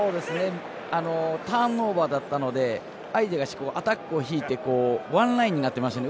ターンオーバーだったので相手がアタックを引いてワンラインになってましたよね。